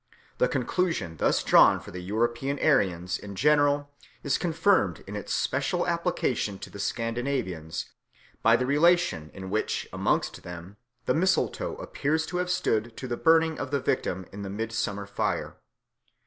The conclusion thus drawn for the European Aryans in general is confirmed in its special application to the Scandinavians by the relation in which amongst them the mistletoe appears to have stood to the burning of the victim in the midsummer fire.